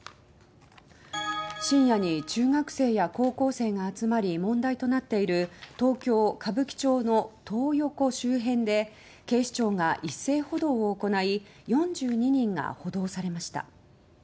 深夜に中学生や高校生が集まり問題となっている東京・歌舞伎町のトー横周辺で警視庁が一斉補導を行い４２人が補導されました。